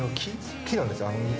木なんですよ。